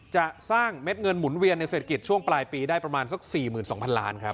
จะสร้างเม็ดเงินหมุนเวียนในเศรษฐกิจช่วงปลายปีได้ประมาณสัก๔๒๐๐ล้านครับ